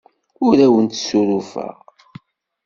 Ur awent-ssurufeɣ.